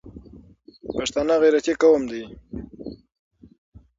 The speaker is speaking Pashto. پښتانه غیرتي قوم دي